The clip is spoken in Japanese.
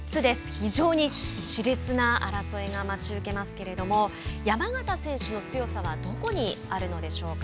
非常にしれつな争いが待ち受けますけれども山縣選手の強さはどこにあるのでしょうか。